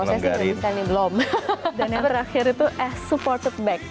dan yang terakhir itu s supported back